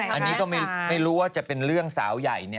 อันนี้ก็ไม่รู้ว่าจะเป็นเรื่องสาวใหญ่